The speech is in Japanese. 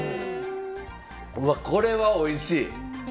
これはおいしい！